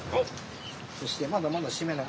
そしてまだまだ閉めない。